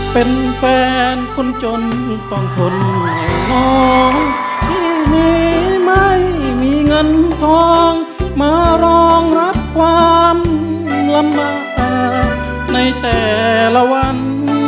เป็นแฟนคนจนต้องทนเหนื่อยของที่นี้ไม่มีเงินทองมารองรับความลำบากในแต่ละวัน